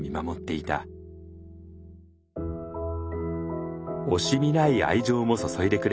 惜しみない愛情も注いでくれました。